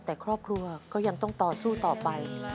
แต่ครอบครัวก็ยังต้องต่อสู้ต่อไป